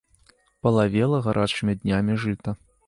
Палавела гарачымі днямі жыта.